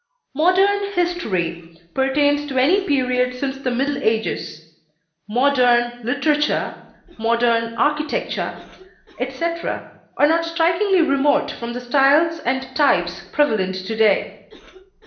Modern history pertains to any period since the middle ages; modern literature, modern architecture, etc., are not strikingly remote from the styles and types prevalent to day.